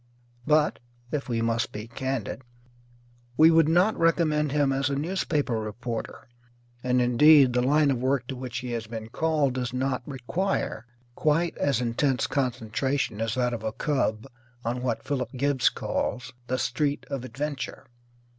But (if we must be candid) we would not recommend him as a newspaper reporter. And, indeed, the line of work to which he has been called does not require quite as intense concentration as that of a cub on what Philip Gibbs calls "The Street of Adventure."